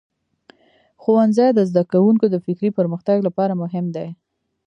ښوونځی د زده کوونکو د فکري پرمختګ لپاره مهم دی.